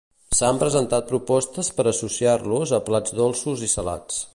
S'han presentat propostes per associar-los a plats dolços i salats.